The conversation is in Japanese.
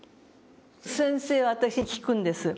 先生は私に聞くんです。